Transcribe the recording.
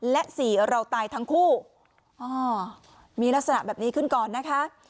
และสี่เราตายทั้งคู่อ๋อมีลักษณะแบบนี้ขึ้นก่อนนะคะ